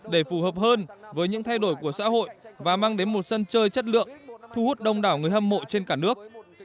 để phù hợp hơn với những thay đổi của xã hội và mang đến một sân chơi chất lượng thu hút đông đảo người hâm mộ trên cả nước